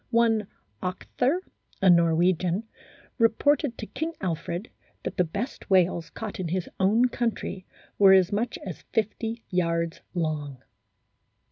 One Octher, a Norwegian, reported to King Alfred that the best whales caught in his own country were as much as 50 yards long.